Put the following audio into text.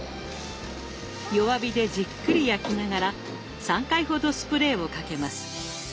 弱火でじっくり焼きながら３回ほどスプレーをかけます。